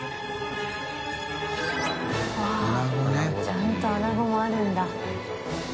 ちゃんとアナゴもあるんだ。